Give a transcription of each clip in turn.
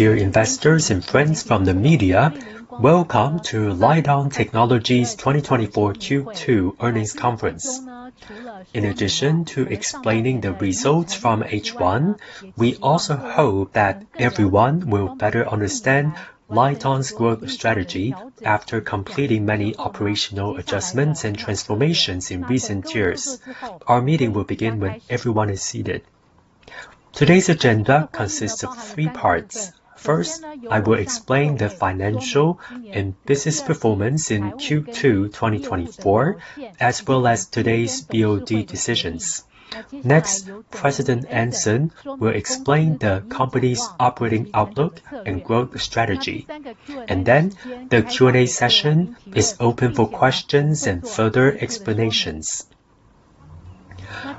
Dear investors and friends from the media, welcome to Lite-On Technology's 2024 Q2 earnings conference. In addition to explaining the results from H1, we also hope that everyone will better understand Lite-On's growth strategy after completing many operational adjustments and transformations in recent years. Our meeting will begin when everyone is seated. Today's agenda consists of three parts. First, I will explain the financial and business performance in Q2 2024, as well as today's BOD decisions. Next, President Anson will explain the company's operating outlook and growth strategy. Then, the Q&A session is open for questions and further explanations.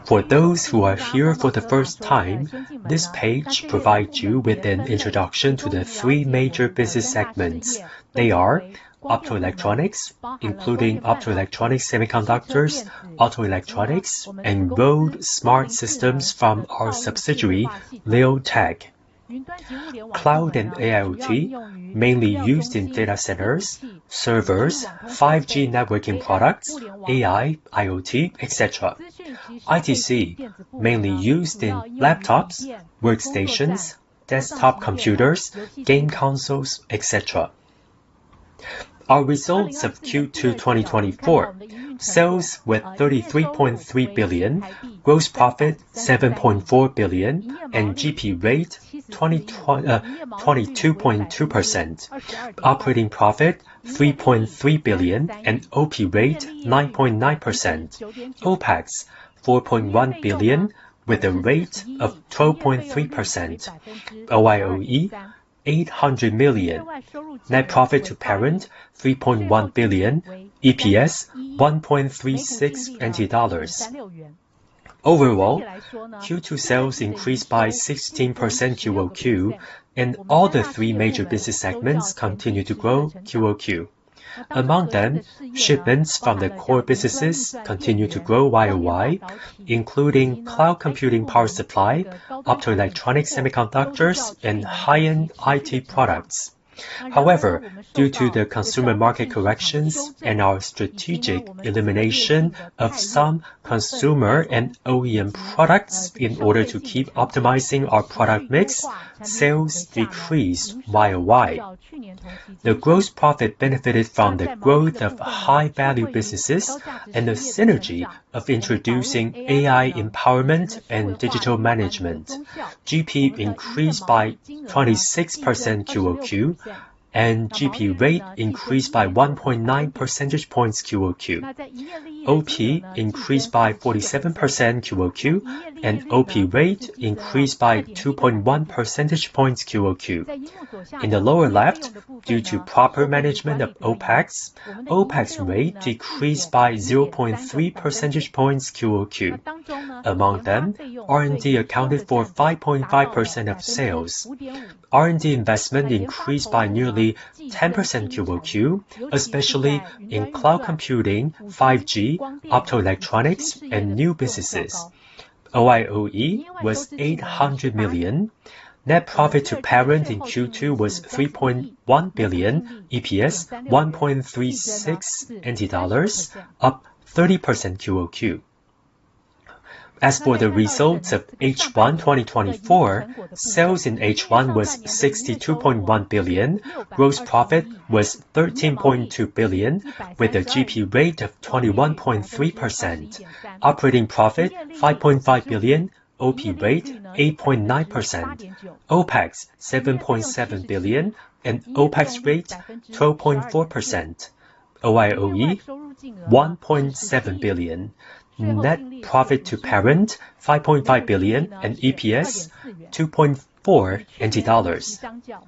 For those who are here for the first time, this page provides you with an introduction to the three major business segments. They are: optoelectronics, including optoelectronic semiconductors, auto electronics, and road smart systems from our subsidiary, Leotek; cloud and AIoT, mainly used in data centers, servers, 5G networking products, AI, IoT, etc.; ITC, mainly used in laptops, workstations, desktop computers, game consoles, etc. Our results of Q2 2024: sales with NT$ 33.3 billion, gross profit NT$ 7.4 billion, and GP rate 22.2%; operating profit NT$ 3.3 billion and OP rate 9.9%; OPEX NT$ 4.1 billion with a rate of 12.3%; OI&E NT$ 800 million; net profit to parent NT$ 3.1 billion; EPS NT$ 1.36. Overall, Q2 sales increased by 16% QOQ, and all the three major business segments continue to grow QOQ. Among them, shipments from the core businesses continue to grow YOY, including cloud computing power supply, optoelectronic semiconductors, and high-end IT products. However, due to the consumer market corrections and our strategic elimination of some consumer and OEM products in order to keep optimizing our product mix, sales decreased YOY. The gross profit benefited from the growth of high-value businesses and the synergy of introducing AI empowerment and digital management. GP increased by 26% QOQ, and GP rate increased by 1.9 percentage points QOQ. OP increased by 47% QOQ, and OP rate increased by 2.1 percentage points QOQ. In the lower left, due to proper management of OPEX, OPEX rate decreased by 0.3 percentage points QOQ. Among them, R&D accounted for 5.5% of sales. R&D investment increased by nearly 10% QOQ, especially in cloud computing, 5G, optoelectronics, and new businesses. OI&E was NT$ 800 million. Net profit to parent in Q2 was NT$ 3.1 billion, EPS NT$ 1.36, up 30% QOQ. As for the results of H1 2024, sales in H1 was NT$ 62.1 billion, gross profit was NT$ 13.2 billion with a GP rate of 21.3%, operating profit NT$ 5.5 billion, OP rate 8.9%, OPEX NT$ 7.7 billion, and OPEX rate 12.4%. OI&E NT$ 1.7 billion, net profit to parent NT$ 5.5 billion, and EPS NT$ 2.4.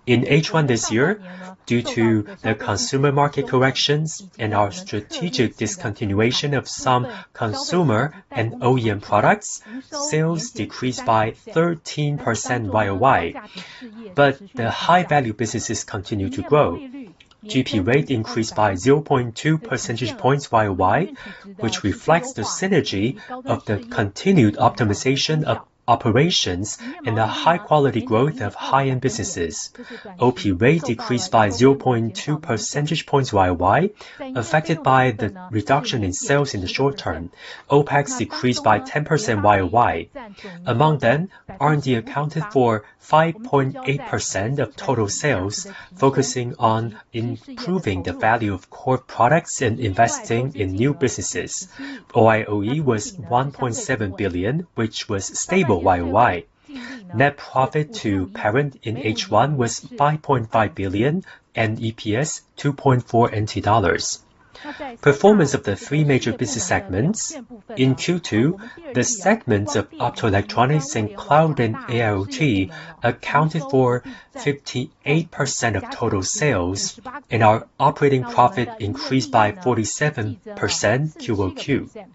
In H1 this year, due to the consumer market corrections and our strategic discontinuation of some consumer and OEM products, sales decreased by 13% YOY. But the high-value businesses continue to grow. GP rate increased by 0.2 percentage points YOY, which reflects the synergy of the continued optimization of operations and the high-quality growth of high-end businesses. OP rate decreased by 0.2 percentage points YOY, affected by the reduction in sales in the short term. OPEX decreased by 10% YOY. Among them, R&D accounted for 5.8% of total sales, focusing on improving the value of core products and investing in new businesses. OI&E was NT$ 1.7 billion, which was stable YOY. Net profit to parent in H1 was NT$ 5.5 billion and EPS NT$ 2.4. Performance of the three major business segments. In Q2, the segments of optoelectronics and cloud and AIoT accounted for 58% of total sales, and our operating profit increased by 47% QOQ.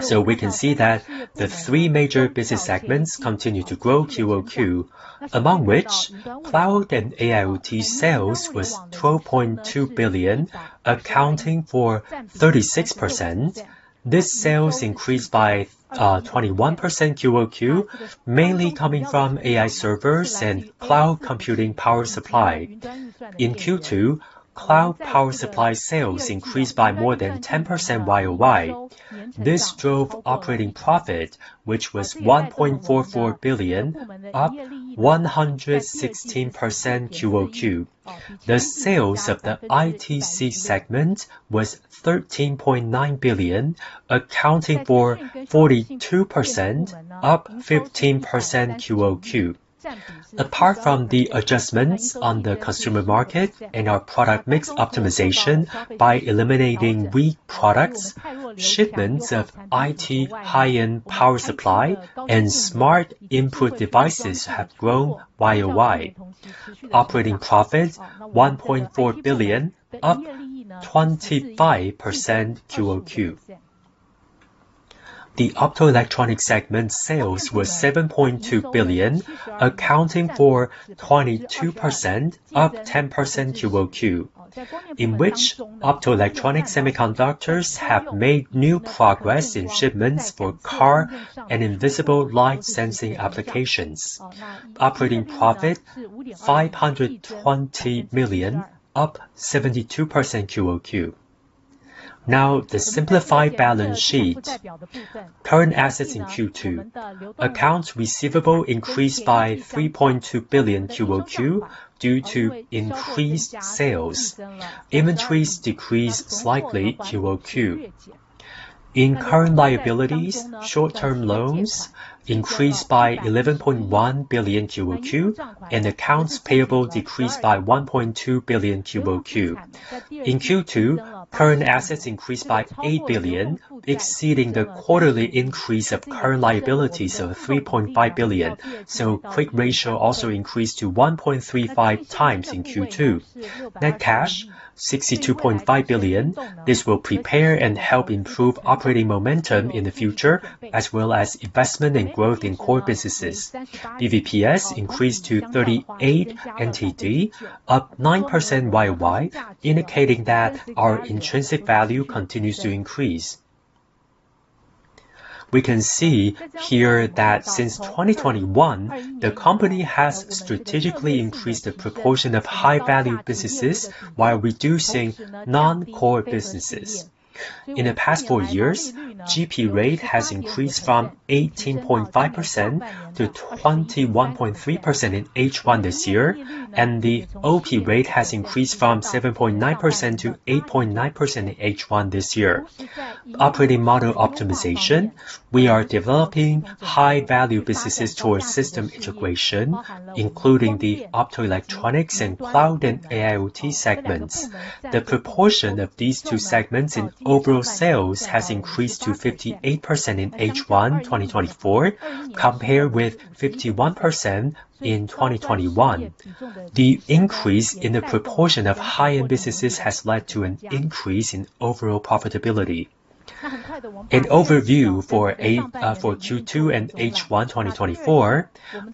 So we can see that the three major business segments continue to grow QOQ, among which cloud and AIoT sales was NT$ 12.2 billion, accounting for 36%. This sales increased by 21% QOQ, mainly coming from AI servers and cloud computing power supply. In Q2, cloud power supply sales increased by more than 10% YOY. This drove operating profit, which was NT$ 1.44 billion, up 116% QOQ. The sales of the ITC segment was NT$ 13.9 billion, accounting for 42%, up 15% QOQ. Apart from the adjustments on the consumer market and our product mix optimization by eliminating weak products, shipments of IT high-end power supply and smart input devices have grown YOY. Operating profit NT$ 1.4 billion, up 25% QOQ. The optoelectronic segment sales were NT$ 7.2 billion, accounting for 22%, up 10% QOQ. In which optoelectronic semiconductors have made new progress in shipments for car and invisible light sensing applications. Operating profit NT$ 520 million, up 72% QOQ. Now the simplified balance sheet. Current assets in Q2. Accounts receivable increased by NT$ 3.2 billion QOQ due to increased sales. Inventories decreased slightly QOQ. In current liabilities, short-term loans increased by NT$ 11.1 billion QOQ, and accounts payable decreased by NT$ 1.2 billion QOQ. In Q2, current assets increased by NT$ 8 billion, exceeding the quarterly increase of current liabilities of NT$ 3.5 billion. Quick ratio also increased to 1.35 times in Q2. Net cash $62.5 billion. This will prepare and help improve operating momentum in the future, as well as investment and growth in core businesses. BVPS increased to NT$ 38, up 9% YOY, indicating that our intrinsic value continues to increase. We can see here that since 2021, the company has strategically increased the proportion of high-value businesses while reducing non-core businesses. In the past four years, GP rate has increased from 18.5% to 21.3% in H1 this year, and the OP rate has increased from 7.9% to 8.9% in H1 this year. Operating model optimization. We are developing high-value businesses towards system integration, including the optoelectronics and cloud and AIoT segments. The proportion of these two segments in overall sales has increased to 58% in H1 2024, compared with 51% in 2021. The increase in the proportion of high-end businesses has led to an increase in overall profitability. In overview for Q2 and H1 2024,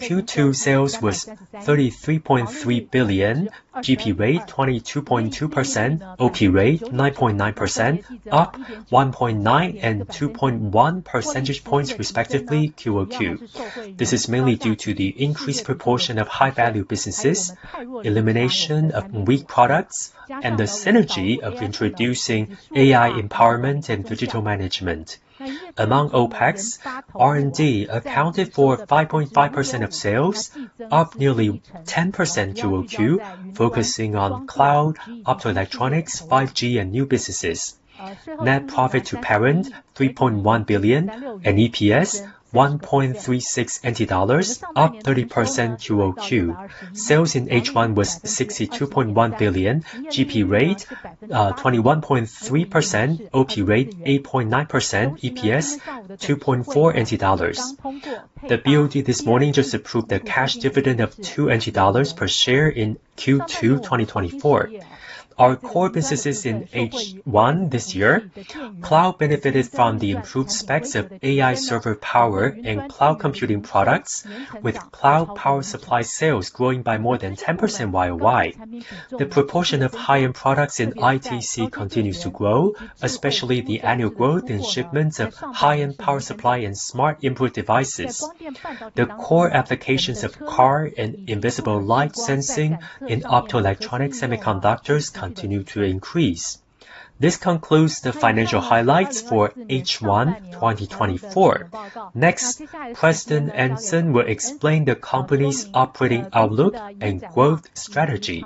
Q2 sales was NT$ 33.3 billion, GP rate 22.2%, OP rate 9.9%, up 1.9 and 2.1 percentage points, respectively, QOQ. This is mainly due to the increased proportion of high-value businesses, elimination of weak products, and the synergy of introducing AI empowerment and digital management. Among OpEx, R&D accounted for 5.5% of sales, up nearly 10% QOQ, focusing on cloud, optoelectronics, 5G, and new businesses. Net profit to parent NT$ 3.1 billion, and EPS NT$ 1.36, up 30% QOQ. Sales in H1 was NT$ 62.1 billion, GP rate 21.3%, OP rate 8.9%, EPS NT$ 2.4. The BOD this morning just approved the cash dividend of NT$ 2 per share in Q2 2024. Our core businesses in H1 this year. Cloud benefited from the improved specs of AI server power and cloud computing products, with cloud power supply sales growing by more than 10% YOY. The proportion of high-end products in ITC continues to grow, especially the annual growth in shipments of high-end power supply and smart input devices. The core applications of car and invisible light sensing and optoelectronic semiconductors continue to increase. This concludes the financial highlights for H1 2024. Next, President Anson will explain the company's operating outlook and growth strategy.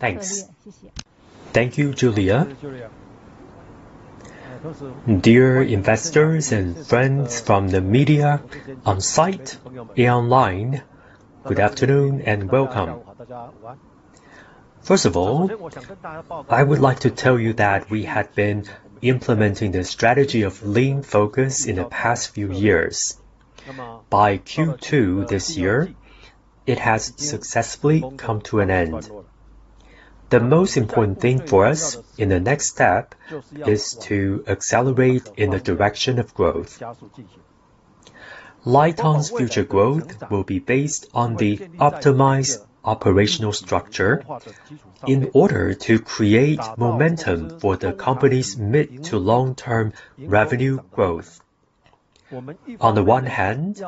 Thanks. Thank you, Julia. Dear investors and friends from the media on site and online, good afternoon and welcome. First of all, I would like to tell you that we had been implementing the strategy of lean focus in the past few years. By Q2 this year, it has successfully come to an end. The most important thing for us in the next step is to accelerate in the direction of growth. LITE-ON's future growth will be based on the optimized operational structure in order to create momentum for the company's mid- to long-term revenue growth. On the one hand,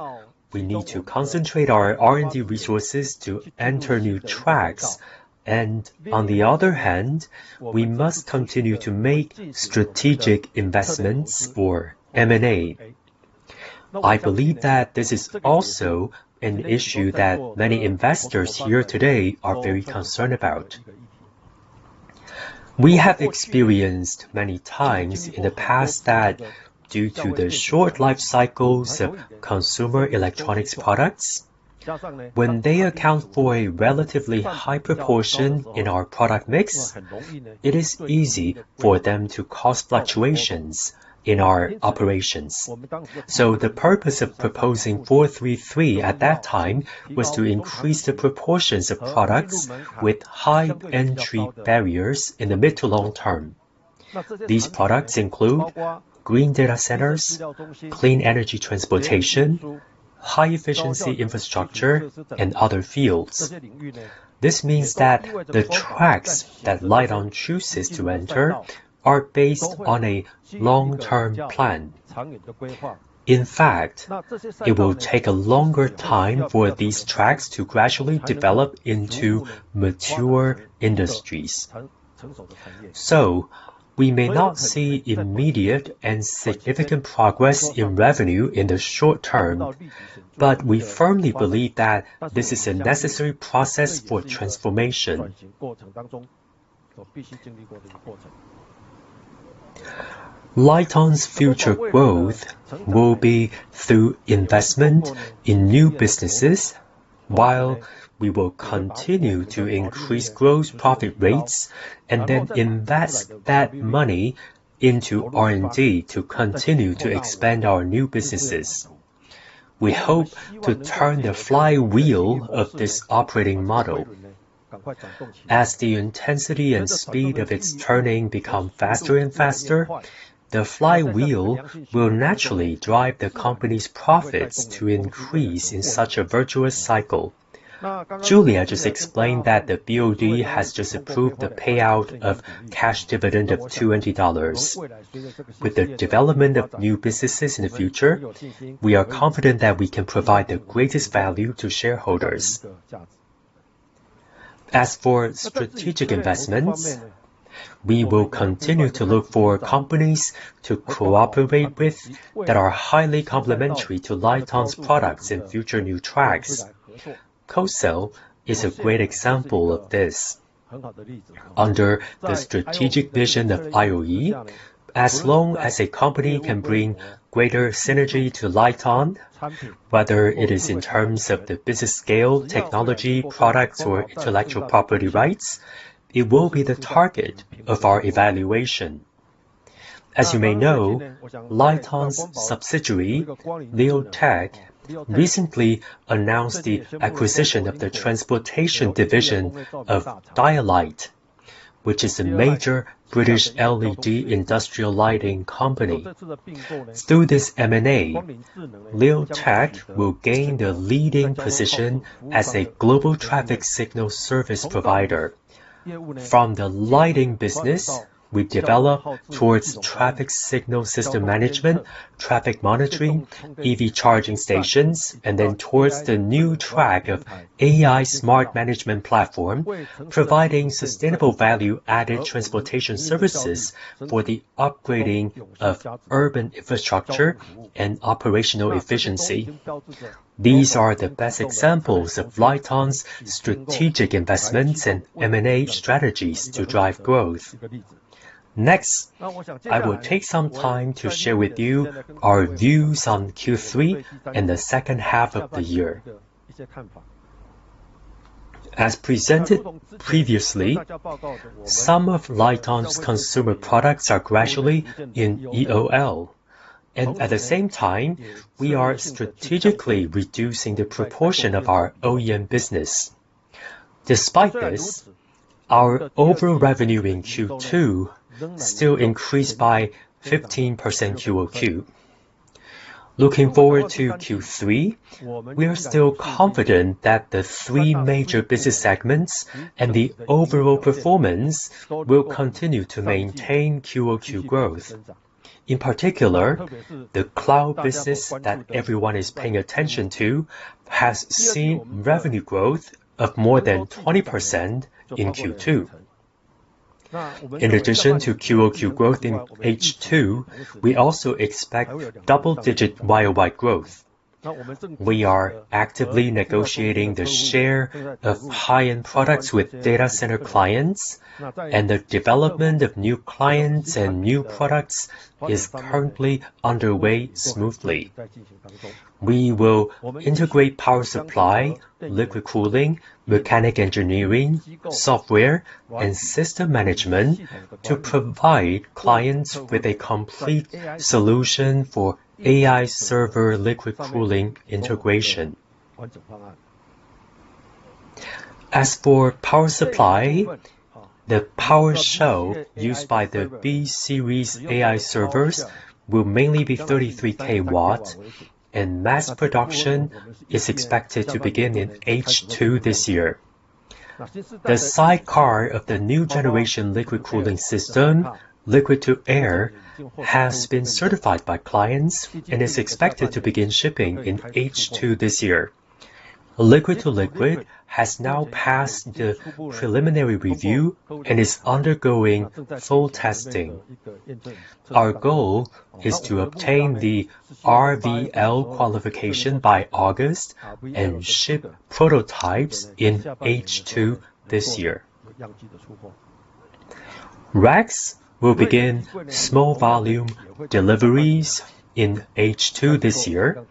we need to concentrate our R&D resources to enter new tracks, and on the other hand, we must continue to make strategic investments for M&A. I believe that this is also an issue that many investors here today are very concerned about. We have experienced many times in the past that due to the short life cycles of consumer electronics products, when they account for a relatively high proportion in our product mix, it is easy for them to cause fluctuations in our operations. The purpose of proposing 4-3-3 at that time was to increase the proportions of products with high entry barriers in the mid to long term. These products include green data centers, clean energy transportation, high-efficiency infrastructure, and other fields. This means that the tracks that LITE-ON chooses to enter are based on a long-term plan. In fact, it will take a longer time for these tracks to gradually develop into mature industries. We may not see immediate and significant progress in revenue in the short term, but we firmly believe that this is a necessary process for transformation. LITE-ON's future growth will be through investment in new businesses, while we will continue to increase gross profit rates and then invest that money into R&D to continue to expand our new businesses. We hope to turn the flywheel of this operating model. As the intensity and speed of its turning become faster and faster, the flywheel will naturally drive the company's profits to increase in such a virtuous cycle. Julia just explained that the BOD has just approved the payout of cash dividend of NT$ 20. With the development of new businesses in the future, we are confident that we can provide the greatest value to shareholders. As for strategic investments, we will continue to look for companies to cooperate with that are highly complementary to Lite-On's products and future new tracks. Cosel is a great example of this. Under the strategic vision of IoE, as long as a company can bring greater synergy to Lite-On, whether it is in terms of the business scale, technology, products, or intellectual property rights, it will be the target of our evaluation. As you may know, Lite-On's subsidiary, Leotek, recently announced the acquisition of the transportation division of Dialight, which is a major British LED industrial lighting company. Through this M&A, Leotek will gain the leading position as a global traffic signal service provider. From the lighting business, we develop towards traffic signal system management, traffic monitoring, EV charging stations, and then towards the new track of AI smart management platform, providing sustainable value-added transportation services for the upgrading of urban infrastructure and operational efficiency. These are the best examples of Lite-On's strategic investments and M&A strategies to drive growth. Next, I will take some time to share with you our views on Q3 and the second half of the year. As presented previously, some of Lite-On's consumer products are gradually in EOL, and at the same time, we are strategically reducing the proportion of our OEM business. Despite this, our overall revenue in Q2 still increased by 15% QOQ. Looking forward to Q3, we are still confident that the three major business segments and the overall performance will continue to maintain QOQ growth. In particular, the cloud business that everyone is paying attention to has seen revenue growth of more than 20% in Q2. In addition to QOQ growth in H2, we also expect double-digit YOY growth. We are actively negotiating the share of high-end products with data center clients, and the development of new clients and new products is currently underway smoothly. We will integrate power supply, liquid cooling, mechanical engineering, software, and system management to provide clients with a complete solution for AI server liquid cooling integration. As for power supply, the power shelf used by the B-Series AI servers will mainly be 33 kW, and mass production is expected to begin in H2 this year. The sidecar of the new generation liquid cooling system, liquid-to-air, has been certified by clients and is expected to begin shipping in H2 this year. Liquid-to-liquid has now passed the preliminary review and is undergoing full testing. Our goal is to obtain the RVL qualification by August and ship prototypes in H2 this year. Rack will begin small volume deliveries in H2 this year.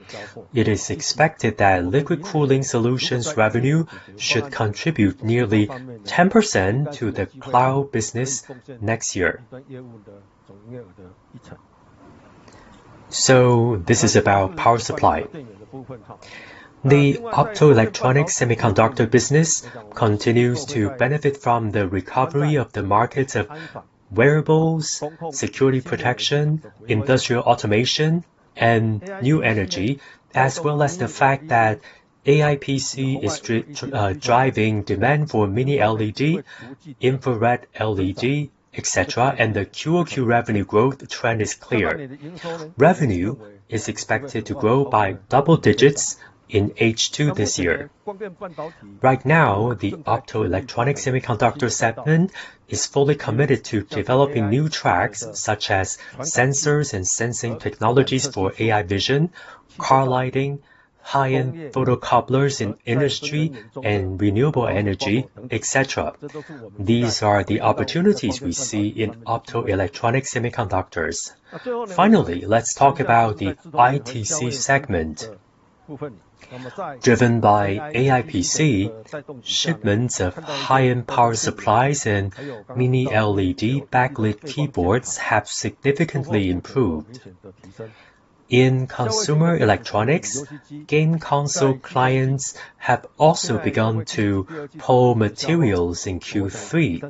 It is expected that liquid cooling solutions revenue should contribute nearly 10% to the cloud business next year. So this is about power supply. The optoelectronics semiconductor business continues to benefit from the recovery of the markets of wearables, security protection, industrial automation, and new energy, as well as the fact that AI PC is driving demand for Mini LED, infrared LED, etc., and the QOQ revenue growth trend is clear. Revenue is expected to grow by double digits in H2 this year. Right now, the optoelectronics semiconductor segment is fully committed to developing new tracks such as sensors and sensing technologies for AI vision, car lighting, high-end photocouplers in industry and renewable energy, etc. These are the opportunities we see in optoelectronics semiconductors. Finally, let's talk about the ITC segment. Driven by AI PC, shipments of high-end power supplies and Mini LED backlit keyboards have significantly improved. In consumer electronics, game console clients have also begun to pull materials in Q3.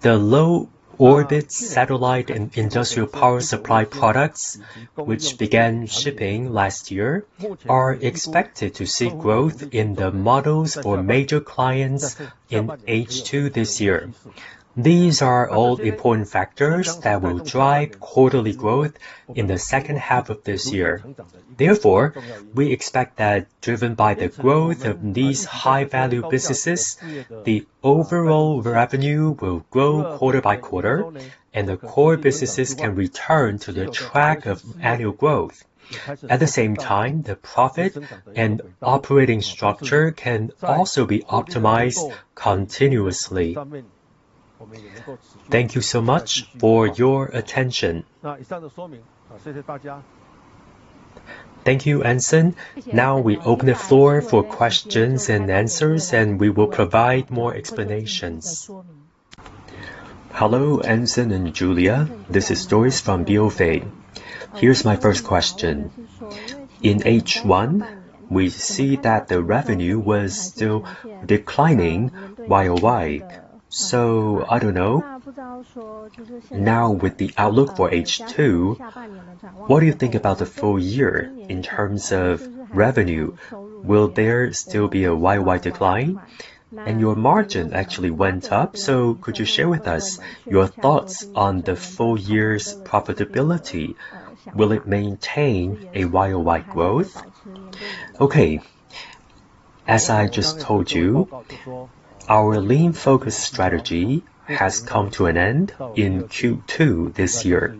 The low-orbit satellite and industrial power supply products, which began shipping last year, are expected to see growth in the models for major clients in H2 this year. These are all important factors that will drive quarterly growth in the second half of this year. Therefore, we expect that driven by the growth of these high-value businesses, the overall revenue will grow quarter by quarter, and the core businesses can return to the track of annual growth. At the same time, the profit and operating structure can also be optimized continuously. Thank you so much for your attention. Thank you, Anson. Now we open the floor for questions and answers, and we will provide more explanations. Hello, Anson and Julia. This is Sharon from BofA. Here's my first question. In H1, we see that the revenue was still declining YOY. So, I don't know. Now, with the outlook for H2, what do you think about the full year in terms of revenue? Will there still be a YOY decline? And your margin actually went up, so could you share with us your thoughts on the full year's profitability? Will it maintain a YOY growth? Okay. As I just told you, our lean focus strategy has come to an end in Q2 this year.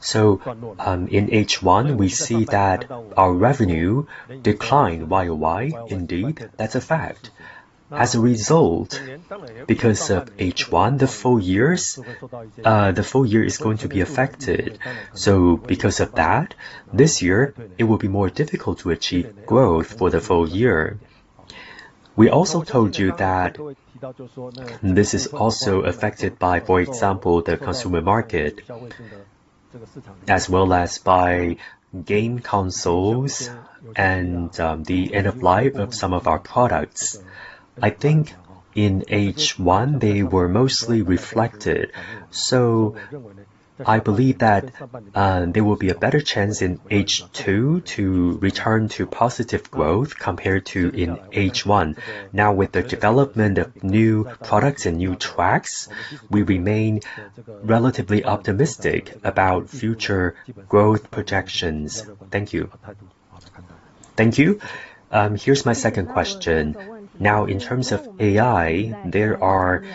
So, in H1, we see that our revenue declined YOY. Indeed, that's a fact. As a result, because of H1, the full year's effect is going to be affected. So, because of that, this year, it will be more difficult to achieve growth for the full year. We also told you that this is also affected by, for example, the consumer market, as well as by game consoles and the end of life of some of our products. I think in H1, they were mostly reflected. So, I believe that there will be a better chance in H2 to return to positive growth compared to in H1. Now, with the development of new products and new tracks, we remain relatively optimistic about future growth projections. Thank you. Thank you. Here's my second question. Now, in terms of AI, there are a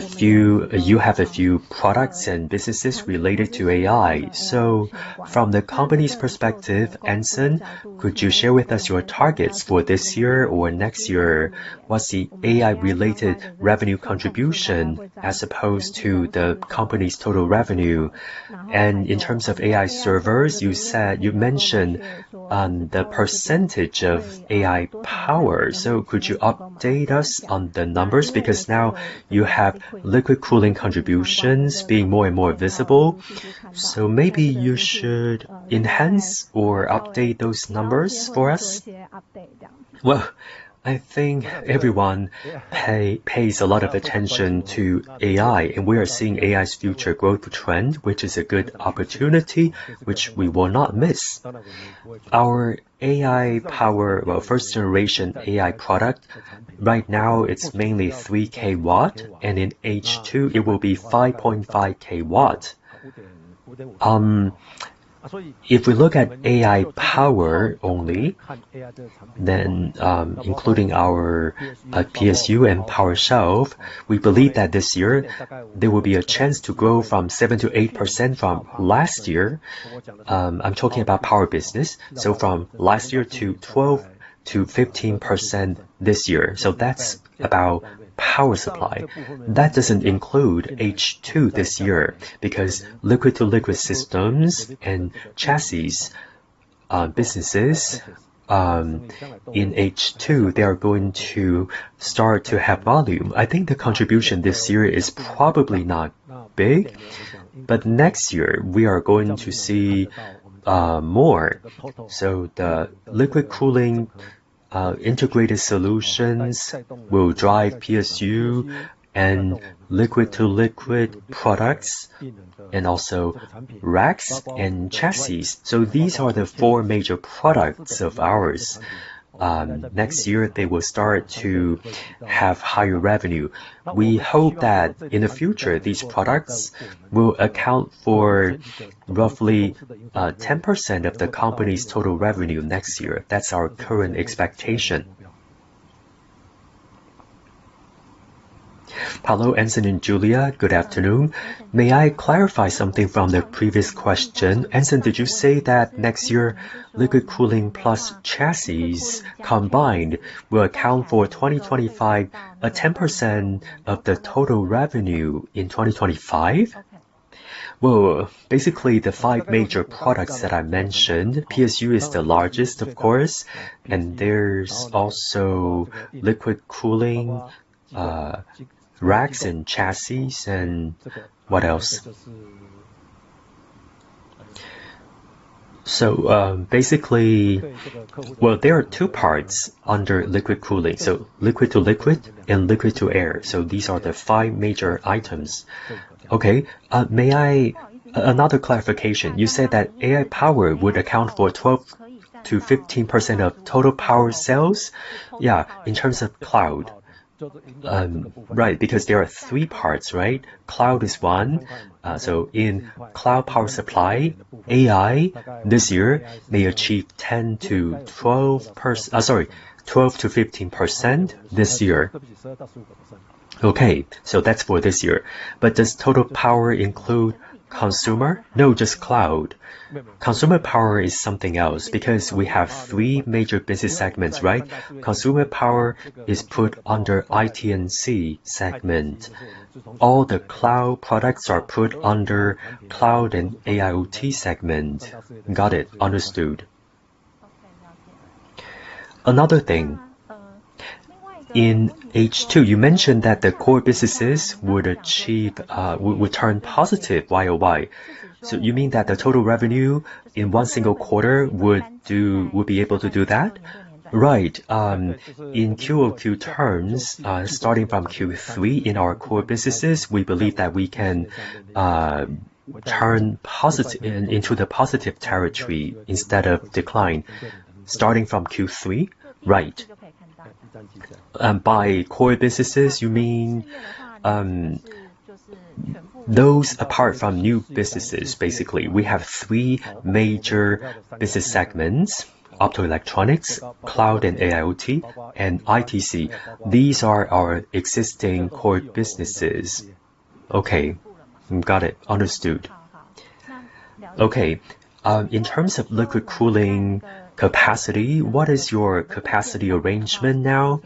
few, you have a few products and businesses related to AI. So, from the company's perspective, Anson, could you share with us your targets for this year or next year? What's the AI-related revenue contribution as opposed to the company's total revenue? And in terms of AI servers, you mentioned the percentage of AI power. So, could you update us on the numbers? Because now you have liquid cooling contributions being more and more visible. So, maybe you should enhance or update those numbers for us. Well, I think everyone pays a lot of attention to AI, and we are seeing AI's future growth trend, which is a good opportunity, which we will not miss. Our AI power, well, first-generation AI product, right now it's mainly 3 kW, and in H2 it will be 5.5 kW. If we look at AI power only, then including our PSU and power shelf, we believe that this year there will be a chance to grow 7%-8% from last year. I'm talking about power business. So, from last year 12%-15% this year. So, that's about power supply. That doesn't include H2 this year because liquid to liquid systems and chassis businesses in H2, they are going to start to have volume. I think the contribution this year is probably not big, but next year we are going to see more. So, the liquid cooling integrated solutions will drive PSU and liquid-to-liquid products, and also racks and chassis. So, these are the four major products of ours. Next year, they will start to have higher revenue. We hope that in the future, these products will account for roughly 10% of the company's total revenue next year. That's our current expectation. Hello, Anson and Julia. Good afternoon. May I clarify something from the previous question? Anson, did you say that next year liquid cooling plus chassis combined will account for 2025, a 10% of the total revenue in 2025? Well, basically, the five major products that I mentioned, PSU is the largest, of course, and there's also liquid cooling, racks and chassis, and what else? So, basically, well, there are two parts under liquid cooling. So, liquid-to-liquid and liquid-to-air. So, these are the five major items. Okay. May I, another clarification. You said that AI power would account for 12%-15% of total power cells? Yeah, in terms of cloud. Right, because there are three parts, right? Cloud is one. So, in cloud power supply, AI this year may achieve 10%-12%, sorry, 12%-15% this year. Okay, so that's for this year. But does total power include consumer? No, just cloud. Consumer power is something else because we have three major business segments, right? Consumer power is put under IT and C segment. All the cloud products are put under cloud and AIOT segment. Got it. Understood. Another thing, in H2, you mentioned that the core businesses would achieve, would turn positive YOY. So, you mean that the total revenue in one single quarter would be able to do that? Right. In QOQ terms, starting from Q3 in our core businesses, we believe that we can turn into the positive territory instead of decline. Starting from Q3? Right. By core businesses, you mean those apart from new businesses, basically. We have three major business segments: optoelectronics, cloud and AIOT, and ITC. These are our existing core businesses. Okay. Got it. Understood. Okay. In terms of liquid cooling capacity, what is your capacity arrangement now?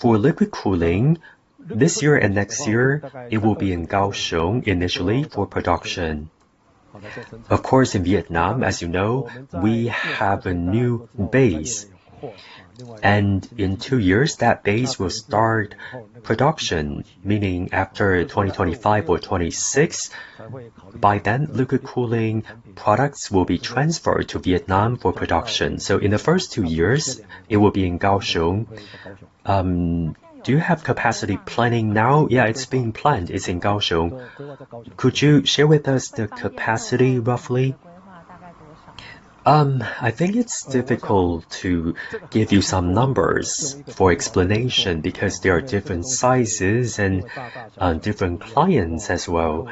For liquid cooling, this year and next year, it will be in Kaohsiung initially for production. Of course, in Vietnam, as you know, we have a new base. And in 2 years, that base will start production, meaning after 2025 or 2026, by then, liquid cooling products will be transferred to Vietnam for production. So, in the first 2 years, it will be in Kaohsiung. Do you have capacity planning now? Yeah, it's being planned. It's in Kaohsiung. Could you share with us the capacity roughly? I think it's difficult to give you some numbers for explanation because there are different sizes and different clients as well.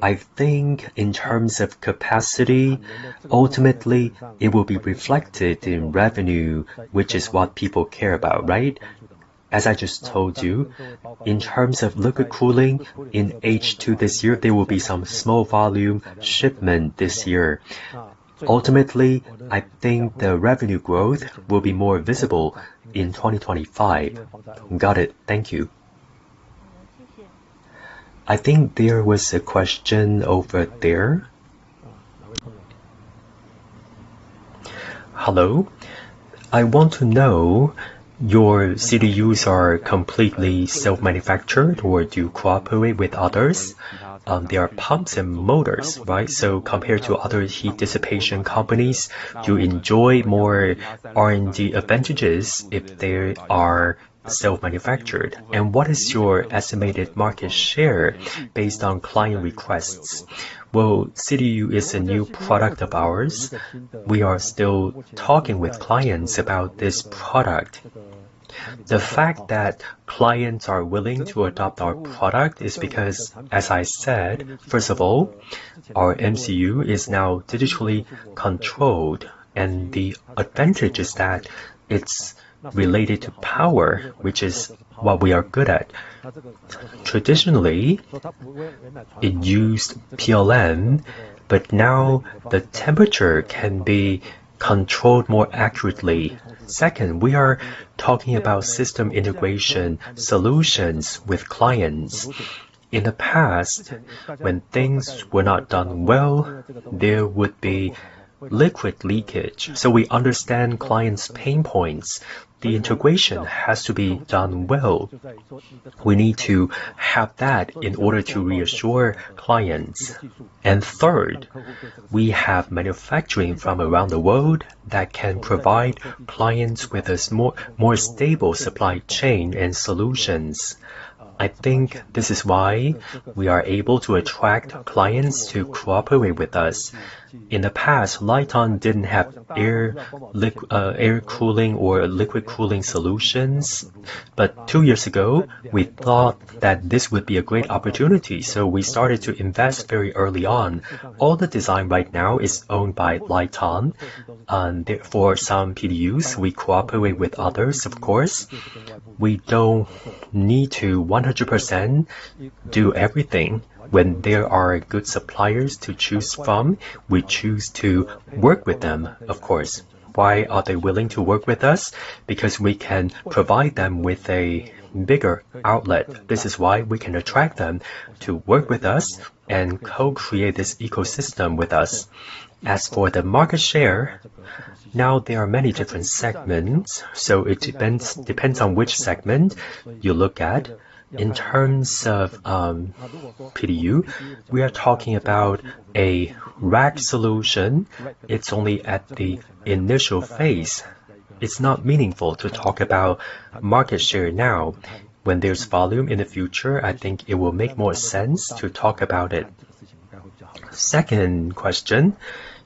I think in terms of capacity, ultimately, it will be reflected in revenue, which is what people care about, right? As I just told you, in terms of liquid cooling in H2 this year, there will be some small volume shipment this year. Ultimately, I think the revenue growth will be more visible in 2025. Got it. Thank you. I think there was a question over there. Hello. I want to know, your CDUs are completely self-manufactured or do you cooperate with others? There are pumps and motors, right? So, compared to other heat dissipation companies, do you enjoy more R&D advantages if they are self-manufactured? And what is your estimated market share based on client requests? Well, CDU is a new product of ours. We are still talking with clients about this product. The fact that clients are willing to adopt our product is because, as I said, first of all, our MCU is now digitally controlled, and the advantage is that it's related to power, which is what we are good at. Traditionally, it used PLN, but now the temperature can be controlled more accurately. Second, we are talking about system integration solutions with clients. In the past, when things were not done well, there would be liquid leakage. So, we understand clients' pain points. The integration has to be done well. We need to have that in order to reassure clients. And third, we have manufacturing from around the world that can provide clients with a more stable supply chain and solutions. I think this is why we are able to attract clients to cooperate with us. In the past, Lite-On didn't have air cooling or liquid cooling solutions, but two years ago, we thought that this would be a great opportunity. So, we started to invest very early on. All the design right now is owned by Lite-On. Therefore, some PDUs, we cooperate with others, of course. We don't need to 100% do everything. When there are good suppliers to choose from, we choose to work with them, of course. Why are they willing to work with us? Because we can provide them with a bigger outlet. This is why we can attract them to work with us and co-create this ecosystem with us. As for the market share, now there are many different segments, so it depends on which segment you look at. In terms of PDU, we are talking about a rack solution. It's only at the initial phase. It's not meaningful to talk about market share now. When there's volume in the future, I think it will make more sense to talk about it. Second question,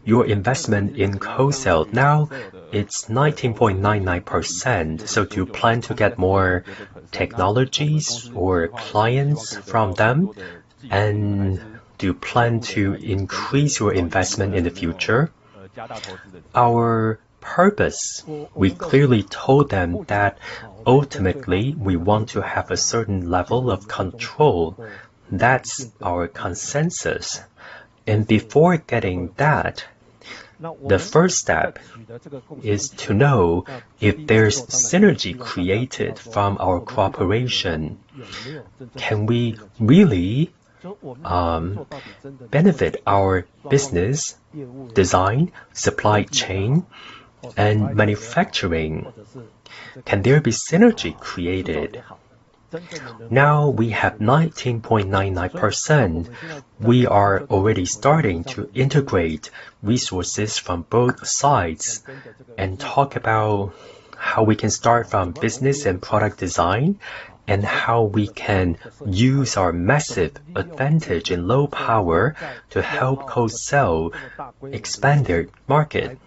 your investment in Cosel now, it's 19.99%. So, do you plan to get more technologies or clients from them? And do you plan to increase your investment in the future? Our purpose, we clearly told them that ultimately we want to have a certain level of control. That's our consensus. And before getting that, the first step is to know if there's synergy created from our cooperation. Can we really benefit our business, design, supply chain, and manufacturing? Can there be synergy created? Now we have 19.99%. We are already starting to integrate resources from both sides and talk about how we can start from business and product design and how we can use our massive advantage in low power to help Cosel expand their market.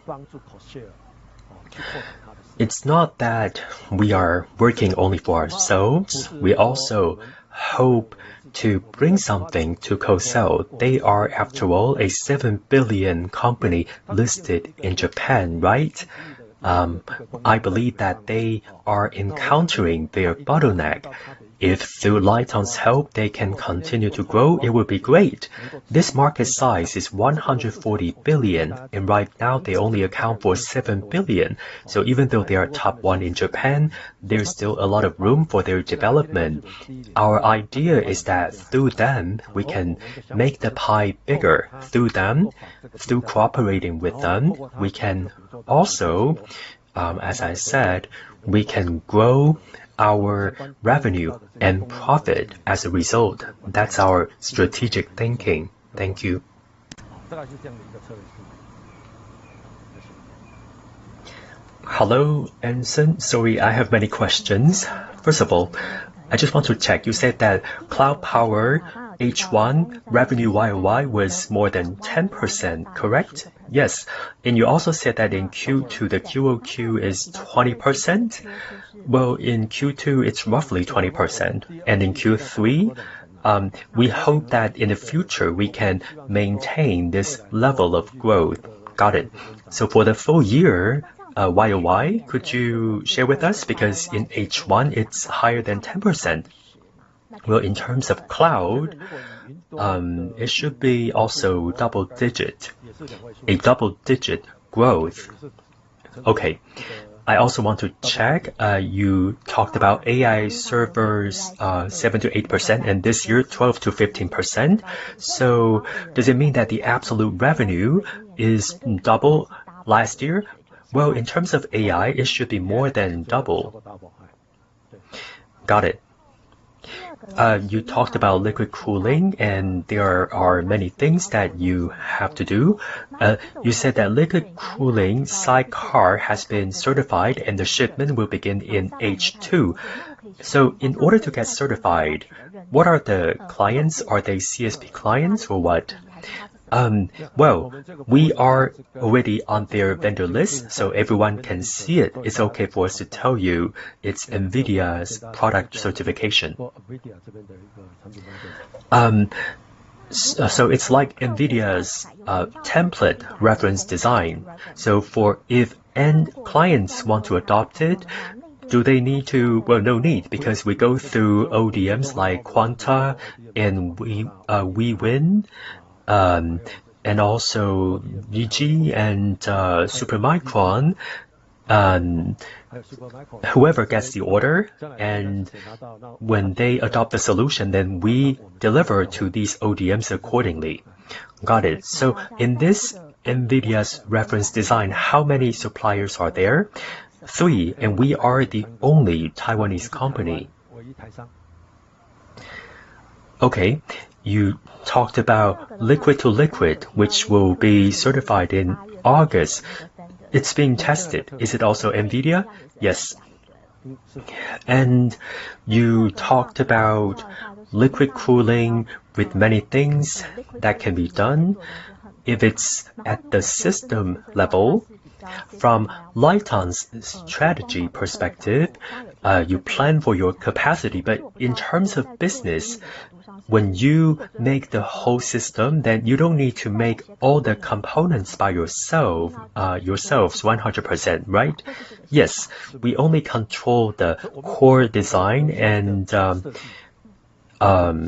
It's not that we are working only for ourselves. We also hope to bring something to Cosel. They are, after all, a 7 billion company listed in Japan, right? I believe that they are encountering their bottleneck. If through LITE-ON's help, they can continue to grow, it would be great. This market size is 140 billion, and right now they only account for 7 billion. So, even though they are top one in Japan, there's still a lot of room for their development. Our idea is that through them, we can make the pie bigger. Through them, through cooperating with them, we can also, as I said, we can grow our revenue and profit as a result. That's our strategic thinking. Thank you. Hello, Anson. Sorry, I have many questions. First of all, I just want to check. You said that cloud power H1 revenue YOY was more than 10%, correct? Yes. And you also said that in Q2, the QOQ is 20%. Well, in Q2, it's roughly 20%. And in Q3, we hope that in the future we can maintain this level of growth. Got it. So, for the full year, YOY, could you share with us? Because in H1, it's higher than 10%. Well, in terms of cloud, it should be also double digit, a double digit growth. Okay. I also want to check. You talked about AI servers, 7%-8%, and this year, 12%-15%. So, does it mean that the absolute revenue is double last year? Well, in terms of AI, it should be more than double. Got it. You talked about liquid cooling, and there are many things that you have to do. You said that liquid cooling sidecar has been certified, and the shipment will begin in H2. So, in order to get certified, what are the clients? Are they CSP clients or what? Well, we are already on their vendor list, so everyone can see it. It's okay for us to tell you it's NVIDIA's product certification. So, it's like NVIDIA's template reference design. So, if end clients want to adopt it, do they need to? Well, no need, because we go through ODMs like Quanta and Wiwynn, and also VG and Supermicro, whoever gets the order. And when they adopt the solution, then we deliver to these ODMs accordingly. Got it. So, in this NVIDIA's reference design, how many suppliers are there? Three. And we are the only Taiwanese company. Okay. You talked about liquid to liquid, which will be certified in August. It's being tested. Is it also NVIDIA? Yes. And you talked about liquid cooling with many things that can be done. If it's at the system level, from LITE-ON's strategy perspective, you plan for your capacity. But in terms of business, when you make the whole system, then you don't need to make all the components by yourselves 100%, right? Yes. We only control the core design and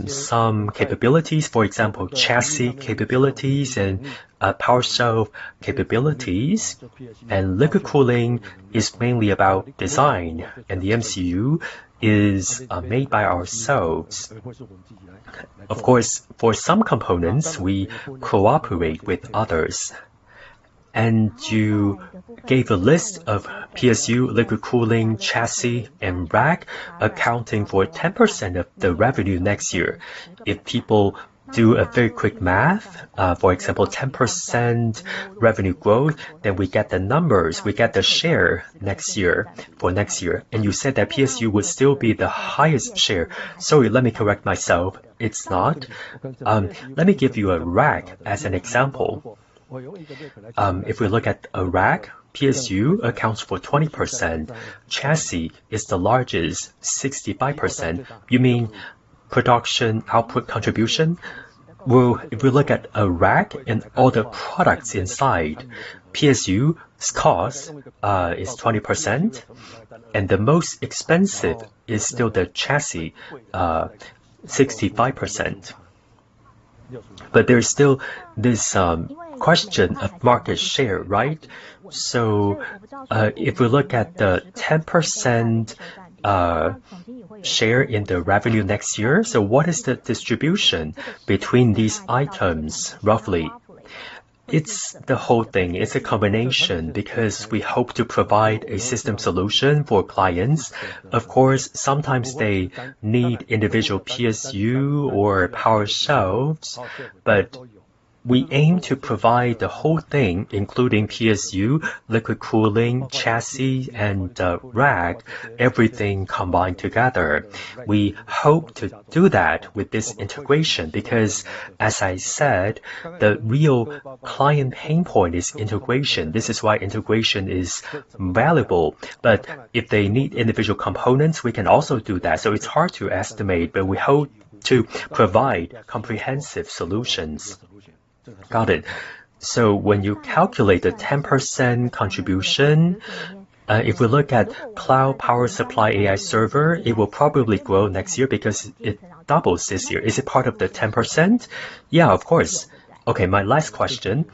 some capabilities, for example, chassis capabilities and power shelf capabilities. And liquid cooling is mainly about design, and the MCU is made by ourselves. Of course, for some components, we cooperate with others. And you gave a list of PSU, liquid cooling, chassis, and rack accounting for 10% of the revenue next year. If people do a very quick math, for example, 10% revenue growth, then we get the numbers. We get the share next year for next year. And you said that PSU would still be the highest share. Sorry, let me correct myself. It's not. Let me give you a rack as an example. If we look at a rack, PSU accounts for 20%. Chassis is the largest, 65%. You mean production output contribution? Well, if we look at a rack and all the products inside, PSU's cost is 20%, and the most expensive is still the chassis, 65%. But there's still this question of market share, right? So, if we look at the 10% share in the revenue next year, so what is the distribution between these items roughly? It's the whole thing. It's a combination because we hope to provide a system solution for clients. Of course, sometimes they need individual PSU or power shelves, but we aim to provide the whole thing, including PSU, liquid cooling, chassis, and rack, everything combined together. We hope to do that with this integration because, as I said, the real client pain point is integration. This is why integration is valuable. But if they need individual components, we can also do that. So, it's hard to estimate, but we hope to provide comprehensive solutions. Got it. So, when you calculate the 10% contribution, if we look at cloud power supply AI server, it will probably grow next year because it doubles this year. Is it part of the 10%? Yeah, of course. Okay, my last question.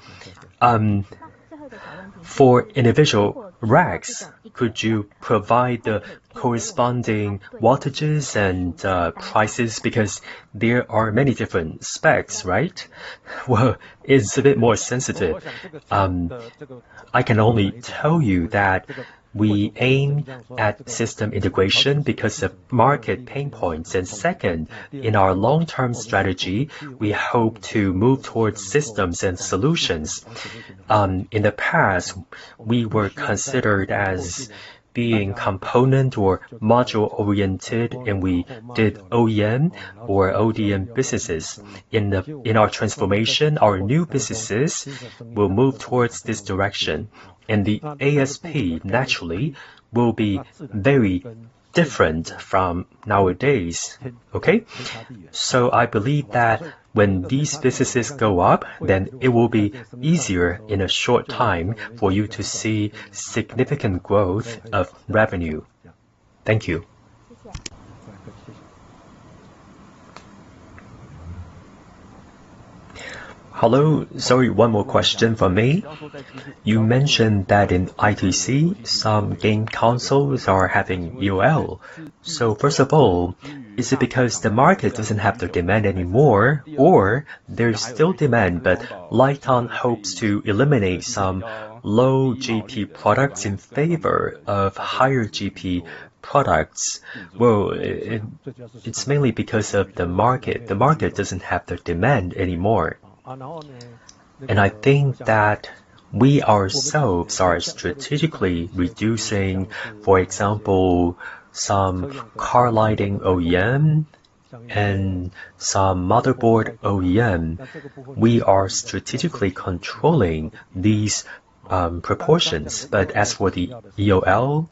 For individual racks, could you provide the corresponding voltages and prices? Because there are many different specs, right? Well, it's a bit more sensitive. I can only tell you that we aim at system integration because of market pain points. And second, in our long-term strategy, we hope to move towards systems and solutions. In the past, we were considered as being component or module oriented, and we did OEM or ODM businesses. In our transformation, our new businesses will move towards this direction. And the ASP, naturally, will be very different from nowadays. Okay? So, I believe that when these businesses go up, then it will be easier in a short time for you to see significant growth of revenue. Thank you. Hello. Sorry, one more question for me. You mentioned that in ITC, some game consoles are having EOL. So, first of all, is it because the market doesn't have the demand anymore, or there's still demand, but LITE-ON hopes to eliminate some low GP products in favor of higher GP products? Well, it's mainly because of the market. The market doesn't have the demand anymore. And I think that we ourselves are strategically reducing, for example, some car lighting OEM and some motherboard OEM. We are strategically controlling these proportions. But as for the EOL,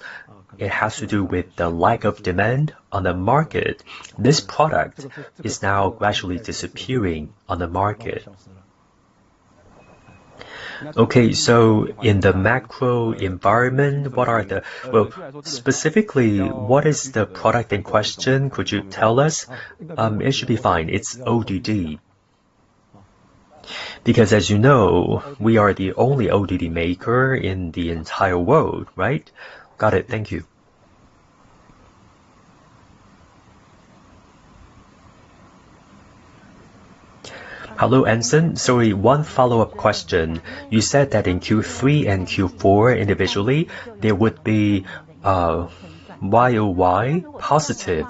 it has to do with the lack of demand on the market. This product is now gradually disappearing on the market. Okay, so in the macro environment, what are the, well, specifically, what is the product in question? Could you tell us? It should be fine. It's ODD. Because, as you know, we are the only ODD maker in the entire world, right? Got it. Thank you. Hello, Anson. Sorry, one follow-up question. You said that in Q3 and Q4 individually, there would be YOY positive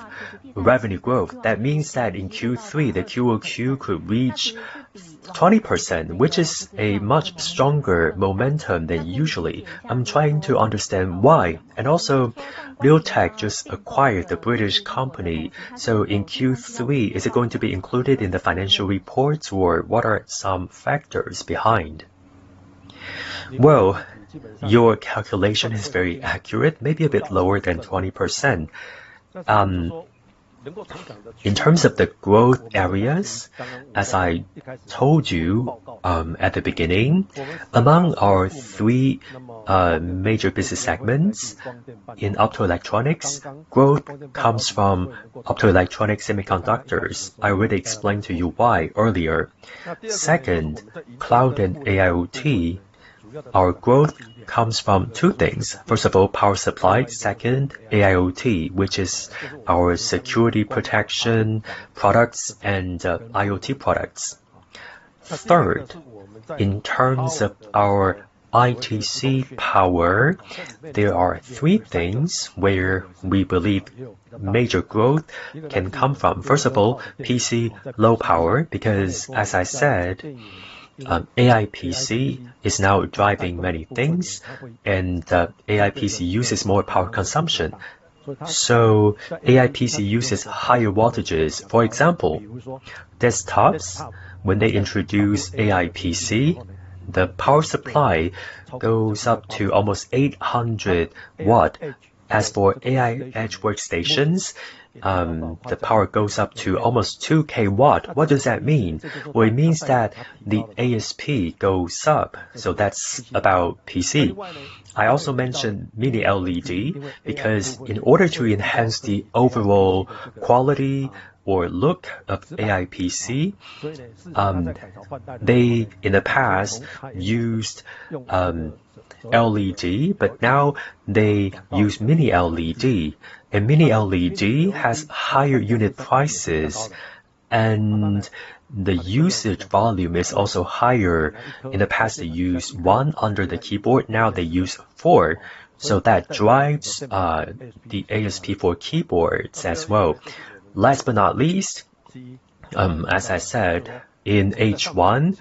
revenue growth. That means that in Q3, the QOQ could reach 20%, which is a much stronger momentum than usually. I'm trying to understand why. And also, Leotek just acquired the British company. So, in Q3, is it going to be included in the financial reports, or what are some factors behind? Well, your calculation is very accurate, maybe a bit lower than 20%. In terms of the growth areas, as I told you at the beginning, among our three major business segments, in optoelectronics, growth comes from optoelectronic semiconductors. I already explained to you why earlier. Second, cloud and AIoT, our growth comes from two things. First of all, power supply. Second, AIoT, which is our security protection products and IoT products. Third, in terms of our ITC power, there are three things where we believe major growth can come from. First of all, PC low power, because, as I said, AI PC is now driving many things, and AI PC uses more power consumption. So, AI PC uses higher voltages. For example, desktops, when they introduce AI PC, the power supply goes up to almost 800 watts. As for AI edge workstations, the power goes up to almost 2,000 watts. What does that mean? Well, it means that the ASP goes up. So, that's about PC. I also mentioned Mini LED, because in order to enhance the overall quality or look of AI PC, they, in the past, used LED, but now they use Mini LED. And Mini LED has higher unit prices, and the usage volume is also higher. In the past, they used one under the keyboard; now they use four. So, that drives the ASP for keyboards as well. Last but not least, as I said, in H1,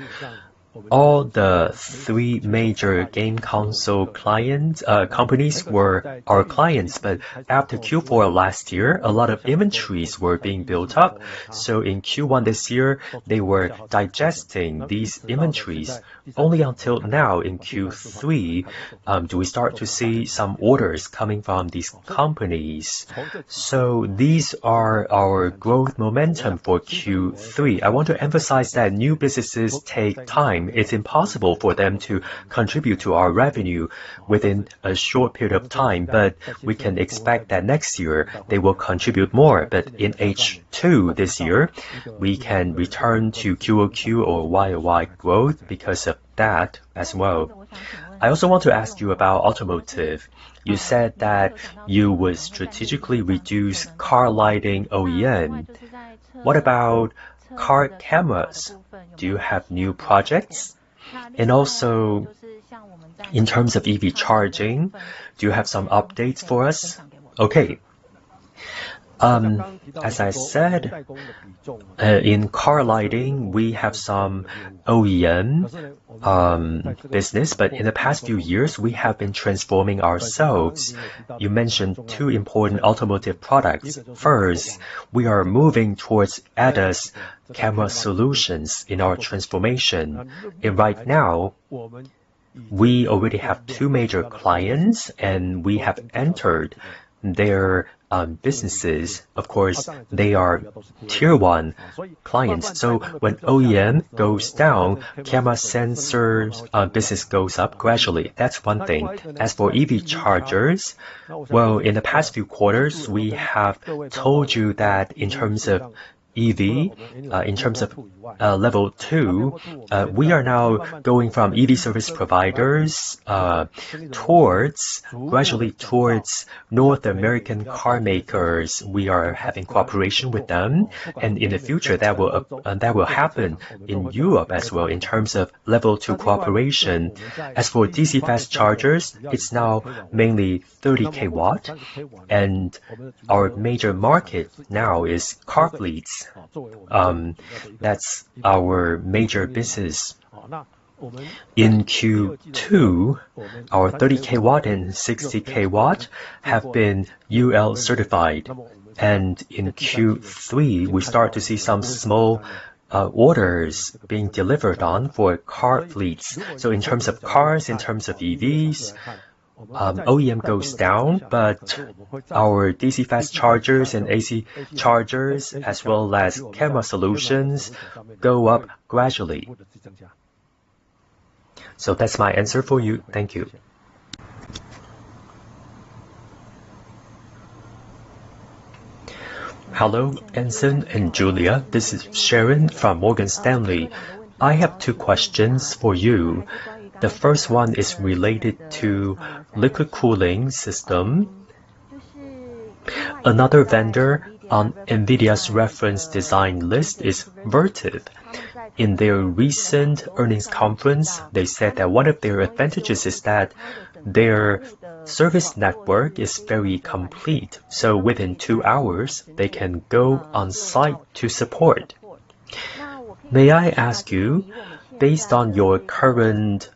all the three major game console companies were our clients. But after Q4 last year, a lot of inventories were being built up. So, in Q1 this year, they were digesting these inventories. Only until now, in Q3, do we start to see some orders coming from these companies. So, these are our growth momentum for Q3. I want to emphasize that new businesses take time. It's impossible for them to contribute to our revenue within a short period of time, but we can expect that next year they will contribute more. But in H2 this year, we can return to QOQ or YOY growth because of that as well. I also want to ask you about automotive. You said that you would strategically reduce car lighting OEM. What about car cameras? Do you have new projects? And also, in terms of EV charging, do you have some updates for us? Okay. As I said, in car lighting, we have some OEM business, but in the past few years, we have been transforming ourselves. You mentioned two important automotive products. First, we are moving towards ADAS camera solutions in our transformation. And right now, we already have two major clients, and we have entered their businesses. Of course, they are tier one clients. So, when OEM goes down, camera sensor business goes up gradually. That's one thing. As for EV chargers, well, in the past few quarters, we have told you that in terms of EV, in terms of level two, we are now going from EV service providers towards gradually towards North American car makers. We are having cooperation with them. In the future, that will happen in Europe as well in terms of level two cooperation. As for DC fast chargers, it's now mainly 30 kW. And our major market now is car fleets. That's our major business. In Q2, our 30 kW and 60 kW have been UL certified. And in Q3, we start to see some small orders being delivered on for car fleets. So, in terms of cars, in terms of EVs, OEM goes down, but our DC fast chargers and AC chargers, as well as camera solutions, go up gradually. So, that's my answer for you. Thank you. Hello, Anson and Julia. This is Sharon from Morgan Stanley. I have two questions for you. The first one is related to liquid cooling system. Another vendor on NVIDIA's reference design list is Vertiv. In their recent earnings conference, they said that one of their advantages is that their service network is very complete. So, within two hours, they can go on site to support. May I ask you, based on your current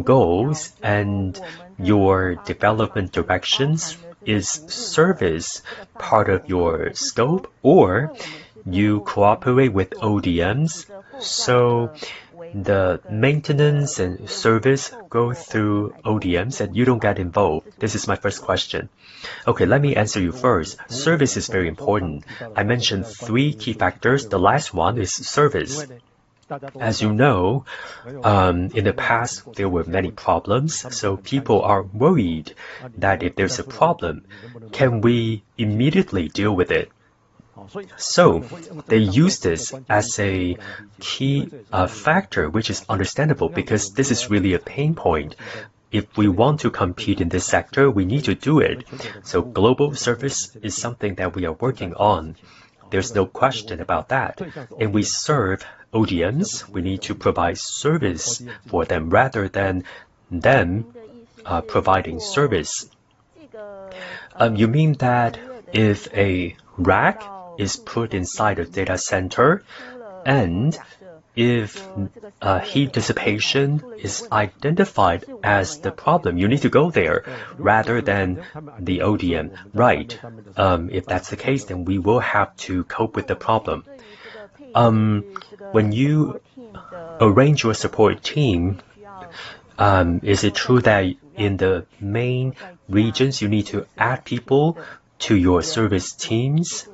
goals and your development directions, is service part of your scope, or do you cooperate with ODMs? So, the maintenance and service go through ODMs, and you don't get involved. This is my first question. Okay, let me answer you first. Service is very important. I mentioned three key factors. The last one is service. As you know, in the past, there were many problems. So, people are worried that if there's a problem, can we immediately deal with it? So, they use this as a key factor, which is understandable because this is really a pain point. If we want to compete in this sector, we need to do it. So, global service is something that we are working on. There's no question about that. And we serve ODMs. We need to provide service for them rather than them providing service. You mean that if a rack is put inside a data center and if heat dissipation is identified as the problem, you need to go there rather than the ODM? Right. If that's the case, then we will have to cope with the problem. When you arrange your support team, is it true that in the main regions, you need to add people to your service teams?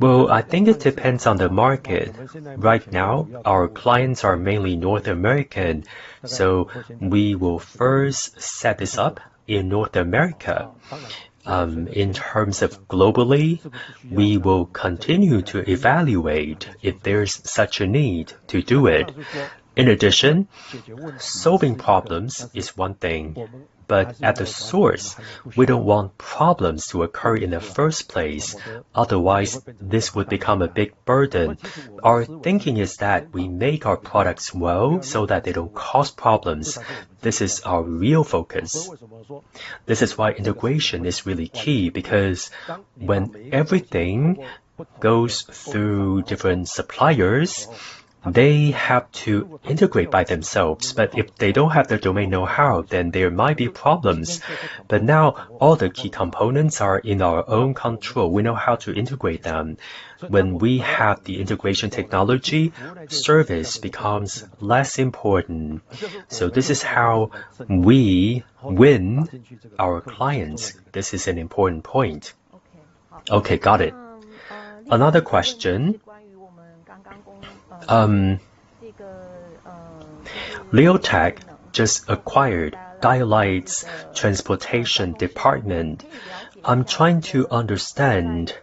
Well, I think it depends on the market. Right now, our clients are mainly North American. So, we will first set this up in North America. In terms of globally, we will continue to evaluate if there's such a need to do it. In addition, solving problems is one thing, but at the source, we don't want problems to occur in the first place. Otherwise, this would become a big burden. Our thinking is that we make our products well so that they don't cause problems. This is our real focus. This is why integration is really key, because when everything goes through different suppliers, they have to integrate by themselves. But if they don't have the domain know-how, then there might be problems. But now, all the key components are in our own control. We know how to integrate them. When we have the integration technology, service becomes less important. So, this is how we win our clients. This is an important point. Okay, got it. Another question. Leotek just acquired Dialight's transportation department. I'm trying to understand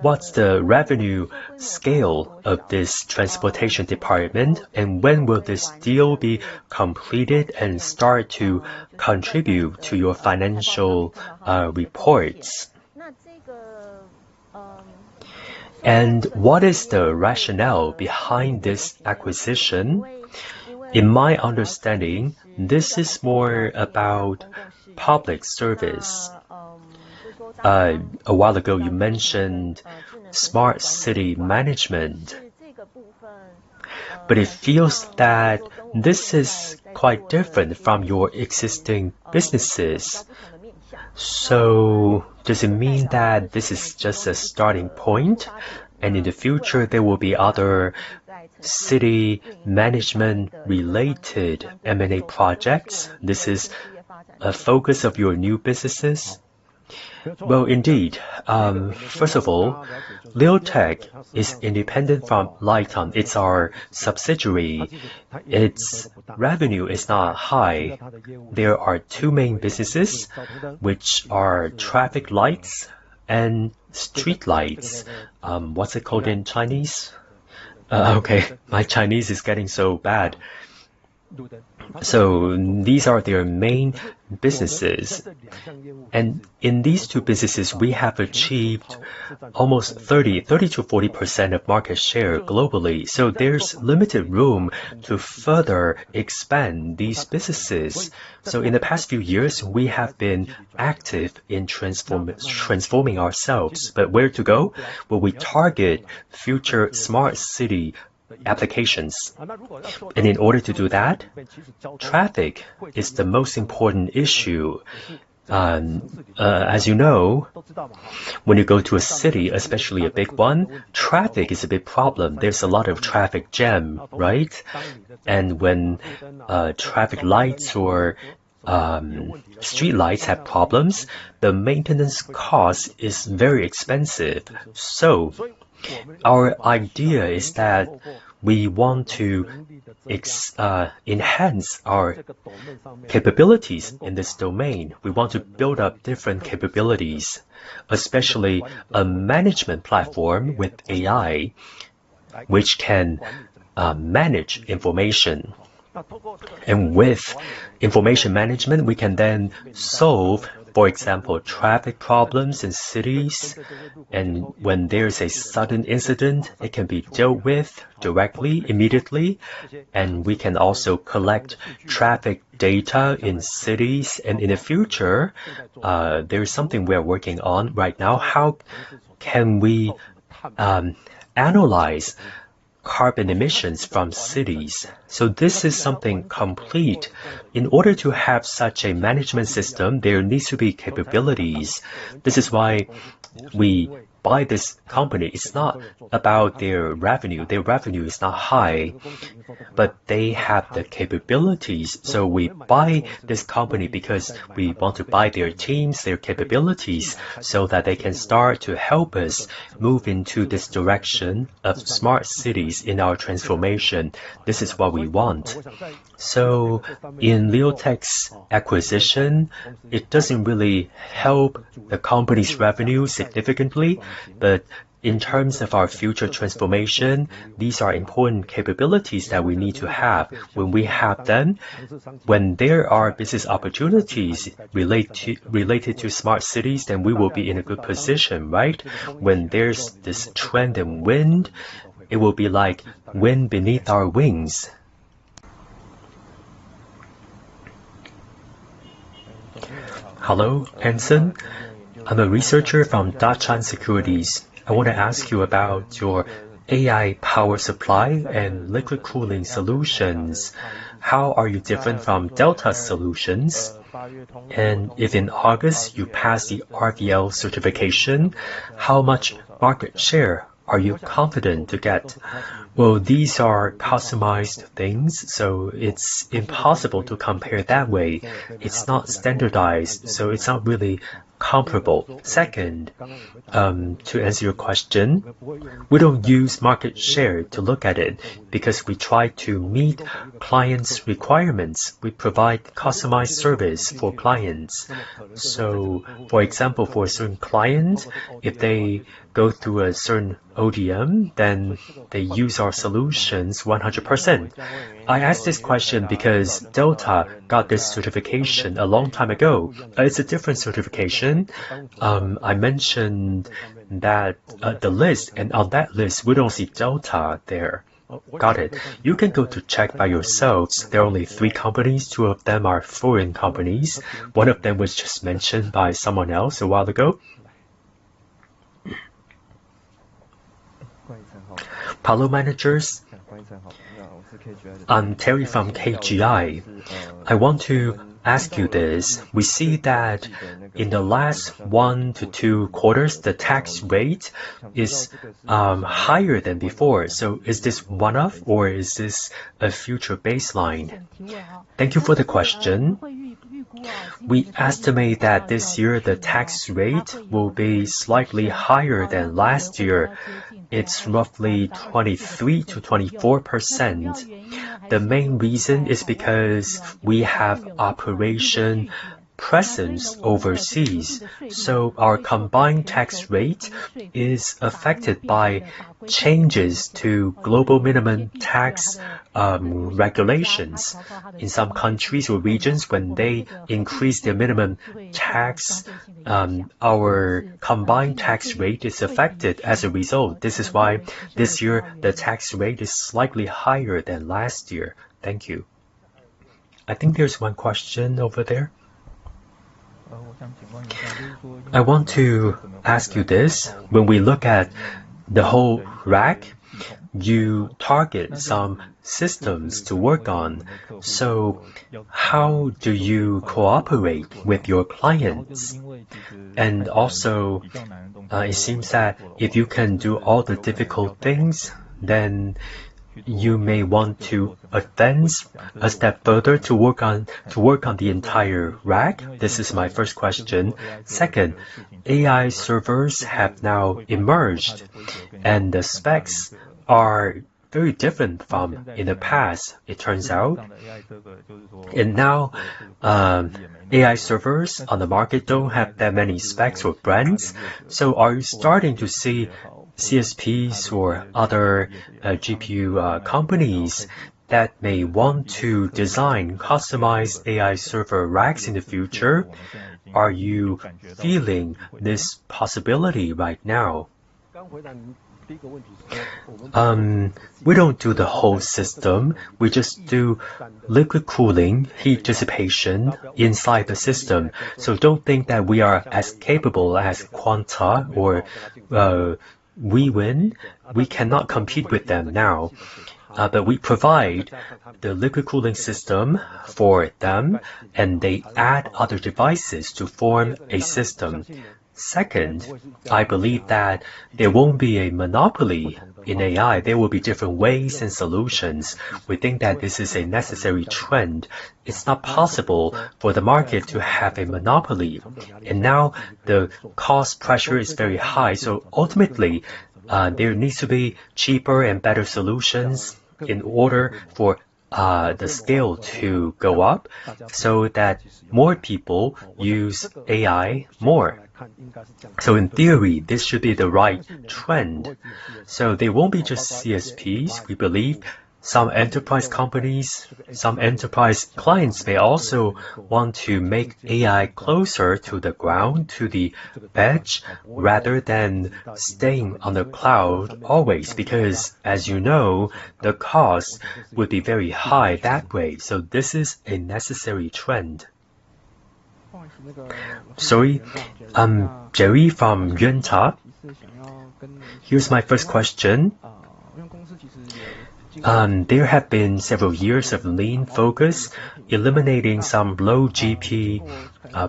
what's the revenue scale of this transportation department, and when will this deal be completed and start to contribute to your financial reports? And what is the rationale behind this acquisition? In my understanding, this is more about public service. A while ago, you mentioned smart city management, but it feels that this is quite different from your existing businesses. So, does it mean that this is just a starting point, and in the future, there will be other city management-related M&A projects? This is a focus of your new businesses? Well, indeed. First of all, Leotek is independent from Lite-On. It's our subsidiary. Its revenue is not high. There are two main businesses, which are traffic lights and street lights. What's it called in Chinese? Okay, my Chinese is getting so bad. So, these are their main businesses. In these two businesses, we have achieved almost 30%-40% of market share globally. So, there's limited room to further expand these businesses. So, in the past few years, we have been active in transforming ourselves. But where to go? Well, we target future smart city applications. And in order to do that, traffic is the most important issue. As you know, when you go to a city, especially a big one, traffic is a big problem. There's a lot of traffic jam, right? And when traffic lights or street lights have problems, the maintenance cost is very expensive. So, our idea is that we want to enhance our capabilities in this domain. We want to build up different capabilities, especially a management platform with AI, which can manage information. And with information management, we can then solve, for example, traffic problems in cities. When there's a sudden incident, it can be dealt with directly, immediately. We can also collect traffic data in cities. In the future, there's something we are working on right now. How can we analyze carbon emissions from cities? So, this is something complete. In order to have such a management system, there needs to be capabilities. This is why we buy this company. It's not about their revenue. Their revenue is not high, but they have the capabilities. We buy this company because we want to buy their teams, their capabilities, so that they can start to help us move into this direction of smart cities in our transformation. This is what we want. In Leotek's acquisition, it doesn't really help the company's revenue significantly. But in terms of our future transformation, these are important capabilities that we need to have. When we have them, when there are business opportunities related to smart cities, then we will be in a good position, right? When there's this trend and wind, it will be like wind beneath our wings. Hello, Anson. I'm a researcher from Dah Chang Securities. I want to ask you about your AI power supply and liquid cooling solutions. How are you different from Delta Solutions? And if in August you pass the RVL certification, how much market share are you confident to get? Well, these are customized things, so it's impossible to compare that way. It's not standardized, so it's not really comparable. Second, to answer your question, we don't use market share to look at it because we try to meet clients' requirements. We provide customized service for clients. So, for example, for a certain client, if they go through a certain ODM, then they use our solutions 100%. I asked this question because Delta got this certification a long time ago. It's a different certification. I mentioned that the list, and on that list, we don't see Delta there. Got it. You can go to check by yourselves. There are only three companies. Two of them are foreign companies. One of them was just mentioned by someone else a while ago. Hello Managers. I'm Terry from KGI. I want to ask you this. We see that in the last 1-2 quarters, the tax rate is higher than before. So, is this one-off, or is this a future baseline? Thank you for the question. We estimate that this year, the tax rate will be slightly higher than last year. It's roughly 23%-24%. The main reason is because we have operational presence overseas. So, our combined tax rate is affected by changes to global minimum tax regulations. In some countries or regions, when they increase their minimum tax, our combined tax rate is affected as a result. This is why this year, the tax rate is slightly higher than last year. Thank you. I think there's one question over there. I want to ask you this. When we look at the whole rack, you target some systems to work on. So, how do you cooperate with your clients? And also, it seems that if you can do all the difficult things, then you may want to advance a step further to work on the entire rack. This is my first question. Second, AI servers have now emerged, and the specs are very different from in the past, it turns out. Now, AI servers on the market don't have that many specs or brands. So, are you starting to see CSPs or other GPU companies that may want to design customized AI server racks in the future? Are you feeling this possibility right now? We don't do the whole system. We just do liquid cooling, heat dissipation inside the system. So, don't think that we are as capable as Quanta or WeWin. We cannot compete with them now. But we provide the liquid cooling system for them, and they add other devices to form a system. Second, I believe that there won't be a monopoly in AI. There will be different ways and solutions. We think that this is a necessary trend. It's not possible for the market to have a monopoly. And now, the cost pressure is very high. So, ultimately, there needs to be cheaper and better solutions in order for the scale to go up so that more people use AI more. So, in theory, this should be the right trend. So, they won't be just CSPs. We believe some enterprise companies, some enterprise clients, they also want to make AI closer to the ground, to the bench, rather than staying on the cloud always. Because, as you know, the cost would be very high that way. So, this is a necessary trend. Sorry, I'm Jerry from Yuanta. Here's my first question. There have been several years of lean focus, eliminating some low GP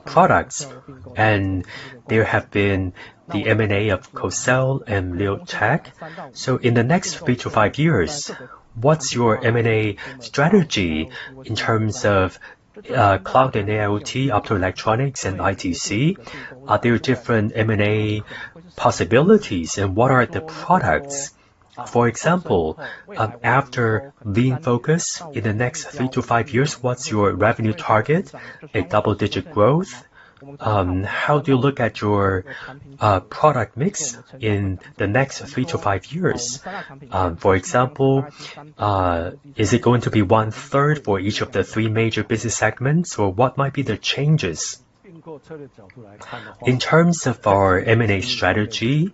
products. And there have been the M&A of Cosel and Leotek. So, in the next three to five years, what's your M&A strategy in terms of cloud and AIoT, optoelectronics, and ITC? Are there different M&A possibilities, and what are the products? For example, after lean focus, in the next three to five years, what's your revenue target? A double-digit growth? How do you look at your product mix in the next three to five years? For example, is it going to be 1/3 for each of the three major business segments, or what might be the changes? In terms of our M&A strategy,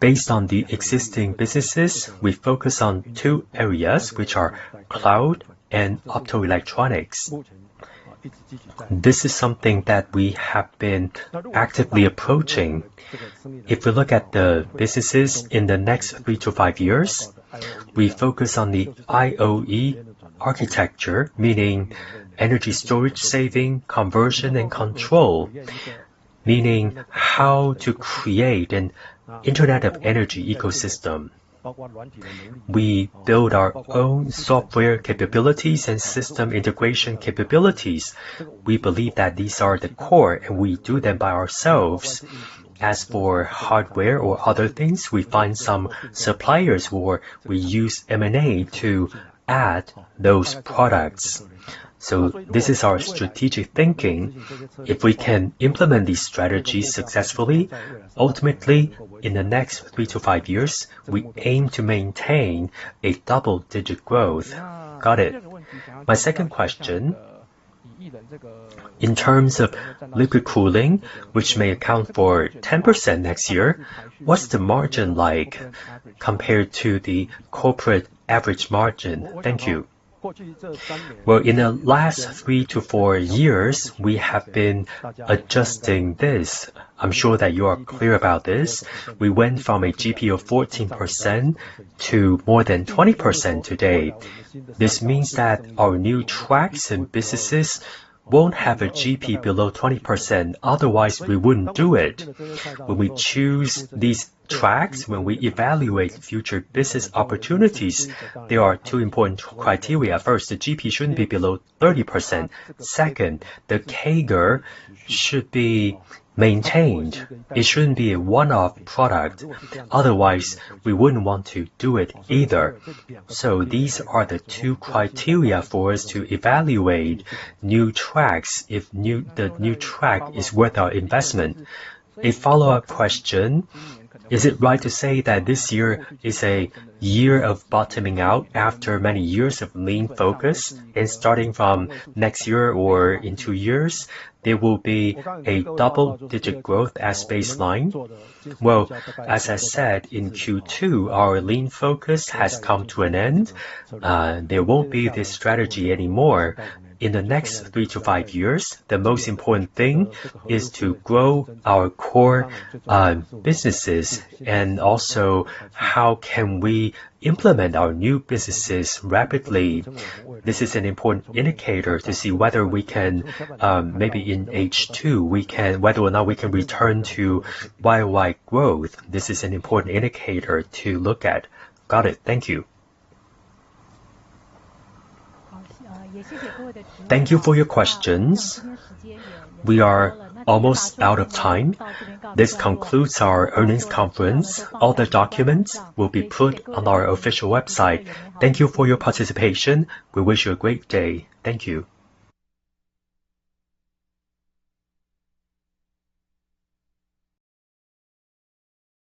based on the existing businesses, we focus on two areas, which are cloud and optoelectronics. This is something that we have been actively approaching. If we look at the businesses in the next three to five years, we focus on the IoE architecture, meaning energy storage saving, conversion, and control, meaning how to create an Internet of Energy ecosystem. We build our own software capabilities and system integration capabilities. We believe that these are the core, and we do them by ourselves. As for hardware or other things, we find some suppliers where we use M&A to add those products. So, this is our strategic thinking. If we can implement these strategies successfully, ultimately, in the next three to five years, we aim to maintain a double-digit growth. Got it. My second question. In terms of liquid cooling, which may account for 10% next year, what's the margin like compared to the corporate average margin? Thank you. Well, in the last three to four years, we have been adjusting this. I'm sure that you are clear about this. We went from a GP of 14% to more than 20% today. This means that our new tracks and businesses won't have a GP below 20%. Otherwise, we wouldn't do it. When we choose these tracks, when we evaluate future business opportunities, there are two important criteria. First, the GP shouldn't be below 30%. Second, the CAGR should be maintained. It shouldn't be a one-off product. Otherwise, we wouldn't want to do it either. So, these are the two criteria for us to evaluate new tracks if the new track is worth our investment. A follow-up question. Is it right to say that this year is a year of bottoming out after many years of lean focus? And starting from next year or in two years, there will be a double-digit growth as baseline. Well, as I said, in Q2, our lean focus has come to an end. There won't be this strategy anymore. In the next three to five years, the most important thing is to grow our core businesses and also how can we implement our new businesses rapidly. This is an important indicator to see whether we can, maybe in H2, whether or not we can return to YOY growth. This is an important indicator to look at. Got it. Thank you. Thank you for your questions. We are almost out of time. This concludes our earnings conference. All the documents will be put on our official website. Thank you for your participation. We wish you a great day. Thank you.